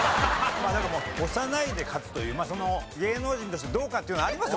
押さないで勝つという芸能人としてどうかっていうのはあります